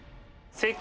正解。